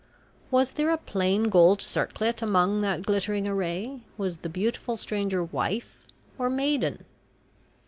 Was there a plain gold circlet among that glittering array? was the beautiful stranger wife or maiden?